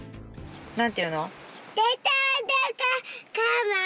何て言うの？